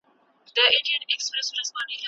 څنګه ځان له نورو سره پرتله کول ذهن ناروغه کوي؟